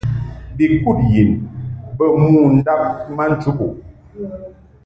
Bi kud yin bɛ mo ndab ma nchubuʼ.